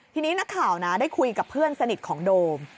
ทีนี้นักข่าวนะได้คุยกับเพื่อนสนิทของโดม